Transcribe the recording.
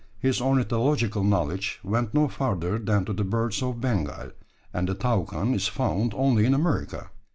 His ornithological knowledge went no further than to the birds of Bengal; and the toucan is found only in America.